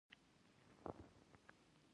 غریب تل د امید سترګې لري